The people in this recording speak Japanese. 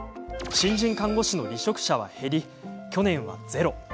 新人看護師の離職者は減り昨年はゼロ。